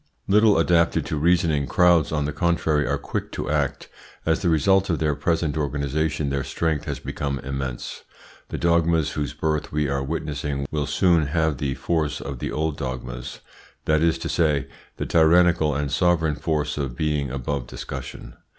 Little adapted to reasoning, crowds, on the contrary, are quick to act. As the result of their present organisation their strength has become immense. The dogmas whose birth we are witnessing will soon have the force of the old dogmas; that is to say, the tyrannical and sovereign force of being above discussion.